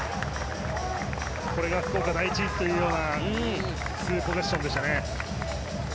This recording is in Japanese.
これが福岡第一というツーポゼッションでしたね。